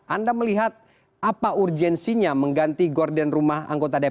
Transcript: anda melihat apa urgensinya mengganti gorden rumah anggota dpr